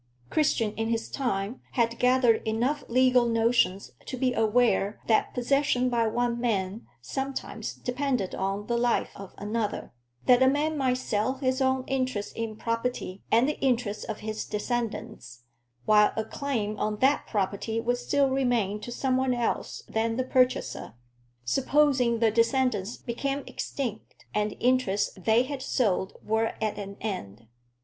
Christian in his time had gathered enough legal notions to be aware that possession by one man sometimes depended on the life of another; that a man might sell his own interest in property, and the interest of his descendants, while a claim on that property would still remain to some one else than the purchaser, supposing the descendants became extinct, and the interests they had sold were at an end.